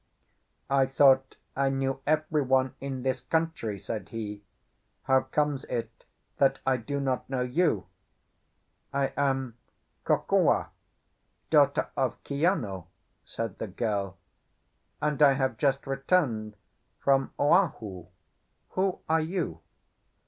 "I thought I knew everyone in this country," said he. "How comes it that I do not know you?" "I am Kokua, daughter of Kiano," said the girl, "and I have just returned from Oahu. Who are you?"